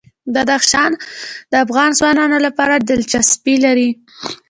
بدخشان د افغان ځوانانو لپاره دلچسپي لري.